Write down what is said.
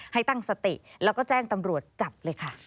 ให้ตั้งสติแล้วก็แจ้งตำรวจจับเลยค่ะ